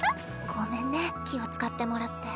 ごめんね気を遣ってもらって。